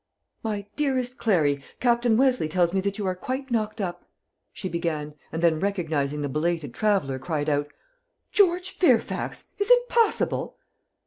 "My dearest Clary, Captain Westleigh tells me that you are quite knocked up " she began; and then recognizing the belated traveller, cried out, "George Fairfax! Is it possible?"